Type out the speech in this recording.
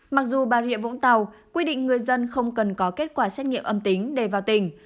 mặc dù bà rịa vũng tàu quy định người dân không cần có kết quả xét nghiệm âm tính để vào tỉnh